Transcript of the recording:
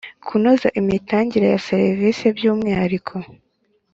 kunoza imitangire ya serivisi by ‘umwihariko.